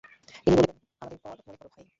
ইনি বলিলেন, আমাদের পর মনে কর, ভাই!